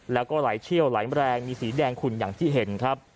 แล้วก็ไหลเชี่ยวไหลแรงมีสีแดงขุ่นอย่างที่เห็นครับ